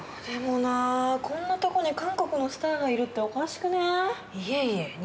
でもなこんなとこに韓国のスターがいるっておかしくねえ？いえいえ。